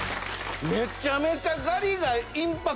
めちゃめちゃガリがインパクト。